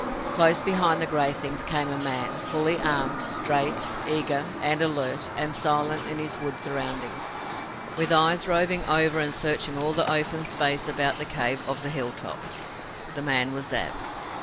Close behind the gray things came a man, fully armed, straight, eager and alert and silent in his wood surroundings, with eyes roving over and searching all the open space about the cave of Hilltop. The man was Ab.